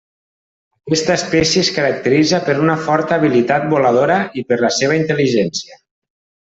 Aquesta espècie es caracteritza per una forta habilitat voladora i per la seva intel·ligència.